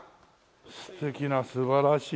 素敵な素晴らしい。